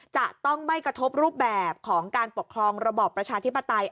จะต้องไม่กระทบรูปแบบของการปกครองระบอบประชาธิปไตย